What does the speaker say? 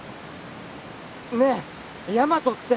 ねえヤマトって！